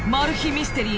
ミステリー